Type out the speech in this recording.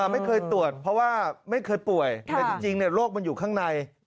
ไม่เคยตรวจเพราะว่าไม่เคยป่วยแต่จริงโรคมันอยู่ข้างใน